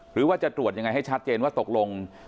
หรือว่าจะตรวจยังไงให้ชัดเจนว่าตกลง